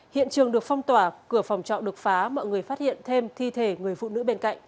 hiện trường được phong tỏa cửa phòng trọ được phá mọi người phát hiện thêm thi thể người phụ nữ bên cạnh